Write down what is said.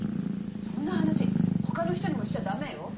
そんな話ほかの人にもしちゃ駄目よ。